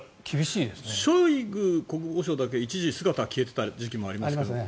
ショイグ国防相だけ一時、姿が消えていた時期もありますよね。